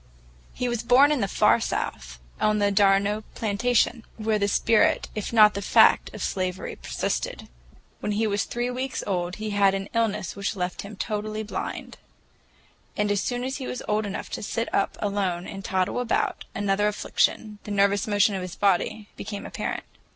He was born in the Far South, on the d'Arnault plantation, where the spirit if not the fact of slavery persisted. When he was three weeks old he had an illness which left him totally blind. As soon as he was old enough to sit up alone and toddle about, another affliction, the nervous motion of his body, became apparent.